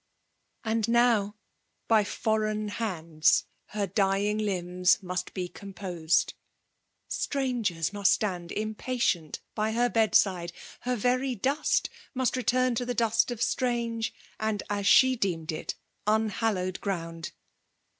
And now, " by foreign hands, her dying limbs *' must be composed ; strangers must stand impatient by her bed side ; her very dust must return to the dust of strange and, as :the deemed it, imhallowed ground.